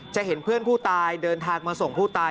เห็นเพื่อนผู้ตายเดินทางมาส่งผู้ตาย